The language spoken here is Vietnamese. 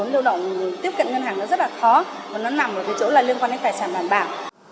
và nó nằm ở cái chỗ là liên quan đến tài sản bản bảo